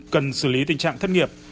cần xử lý tình trạng thất nghiệp